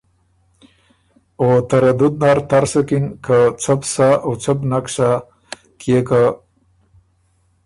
او تردُد نر تر سُکِن که څۀ بو سَۀ او څۀ بو نک سَۀ کيې که